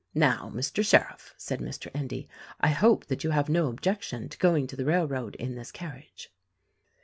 "Now, Mr. Sheriff," said Mr. Endy, "I hope that you have no objection to going to the railroad in this car riage."